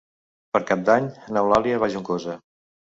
Per Cap d'Any n'Eulàlia va a Juncosa.